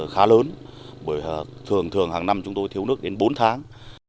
khá lớn bởi thường thường hàng năm chúng tôi thiếu nước đến bốn tháng